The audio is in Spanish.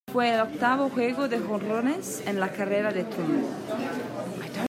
Fue el octavo juego de jonrones en la carrera de Trumbo.